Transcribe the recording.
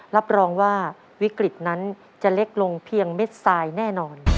รับรองว่าวิกฤตนั้นจะเล็กลงเพียงเม็ดทรายแน่นอน